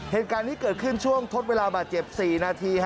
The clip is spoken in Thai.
เหตุการณ์นี้เกิดขึ้นช่วงทดเวลาบาดเจ็บ๔นาที